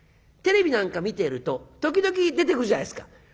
テレビなんか見ていると時々出てくるじゃないですか。